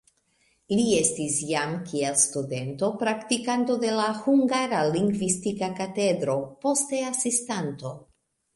Li estis jam kiel studento praktikanto de la Hungara Lingvistika Katedro, poste asistanto.